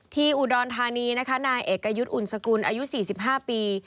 ที่อุดรธานีนายเอกยุทธ์อุณสกุลอายุ๔๕ปี